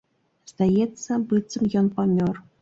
Здаецца, быццам ён памёр.